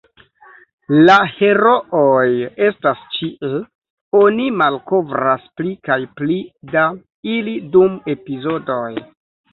La herooj estas ĉie, oni malkovras pli kaj pli da ili dum epizodoj.